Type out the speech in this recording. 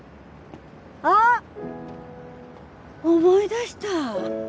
思い出した。